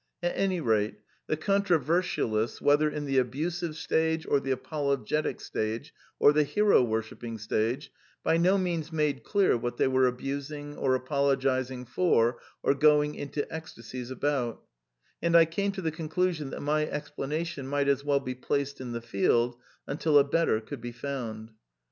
At any rate, the controversialistSi whether in the abusive stage, or the apologetic stage, or the hero worshipping stage, by no means made clear what they were abusing, or apologizing for, or going into ecstasies about; and I came to the conclusion that my ex planation might as well be placed in the field until a better could be found.